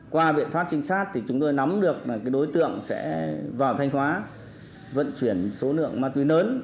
qua biện pháp trinh sát thì chúng tôi nắm được đối tượng sẽ vào thanh hóa vận chuyển số lượng ma túy lớn